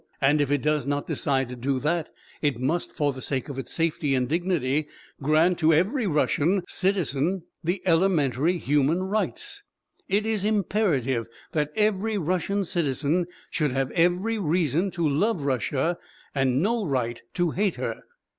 And if it does not decide to do that, it must, for the sake of its safety and dignity, grant to every Russian citizen the elementary human rights. It is imperative that every Russian citizen should have every reason to love Russia and no right to hate her.